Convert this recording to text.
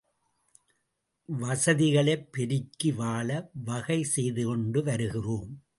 வசதிகளைப் பெருக்கி வாழ வகை செய்துகொண்டு வருகிறோம்.